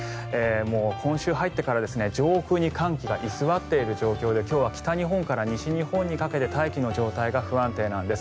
今週に入ってから上空に寒気が居座っている状況で今日は北日本から西日本にかけて大気の状態が不安定なんです。